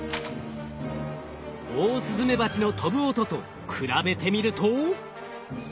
オオスズメバチの飛ぶ音と比べてみると。